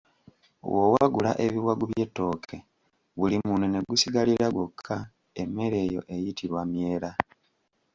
Bw’owagula ebiwagu by’ettooke, buli munwe ne gusigalira gwokka, emmere eyo eyitibwa myera.